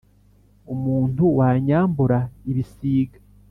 umuntu wanyambura ibisiga